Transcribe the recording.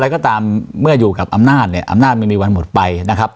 ก็ตามเมื่ออยู่กับอำนาจเนี่ยอำนาจไม่มีวันหมดไปนะครับ